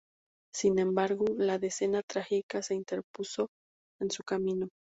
Sin embargo, la Decena Trágica se interpuso en su camino.